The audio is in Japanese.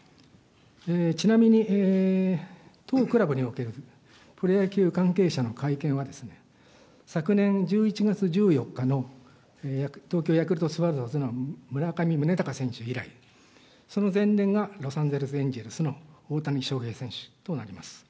ちなみに、当クラブにおけるプロ野球関係者の会見は、昨年１１月１４日の東京ヤクルトスワローズの村上宗隆選手以来、その前年がロサンゼルスエンジェルスの大谷翔平選手となります。